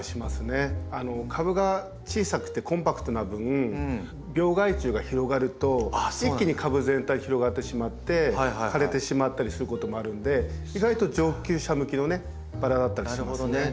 株が小さくてコンパクトな分病害虫が広がると一気に株全体に広がってしまって枯れてしまったりすることもあるんで意外と上級者向けのねバラだったりしますね。